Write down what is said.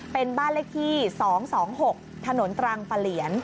เป็นบ้านเลขที่๒๒๖ถนนตรังปะเหลียน